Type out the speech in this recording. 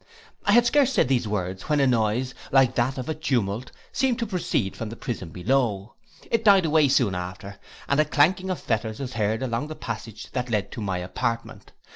I had scarce said these words, when a noise, like that of a tumult, seemed to proceed from the prison below; it died away soon after, and a clanking of fetters was heard along the passage that led to my apartment.